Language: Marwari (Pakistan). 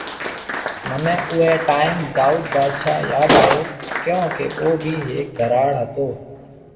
منهي اوئي ٽائيم دائود بادشاه ياد آيو۔ ڪيونڪي او ڀي هيڪ ڌراڙ هتو